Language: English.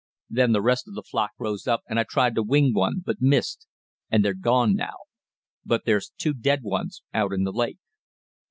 Then the rest of the flock rose up, and I tried to wing one, but missed, and they've gone now. But there's two dead ones out in the lake."